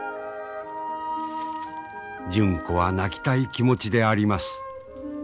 純子は泣きたい気持ちであります。